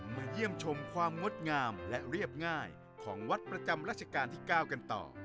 เยี่ยมชมความงดงามและเรียบง่ายของวัดประจำรัชกาลที่๙กันต่อ